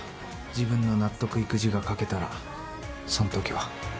自分の納得いく字が書けたらその時は。